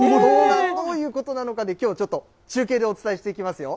どういうことなのか、きょう、ちょっと中継でお伝えしていきますよ。